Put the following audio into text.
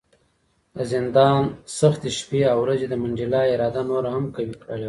د زندان سختې شپې او ورځې د منډېلا اراده نوره هم قوي کړې وه.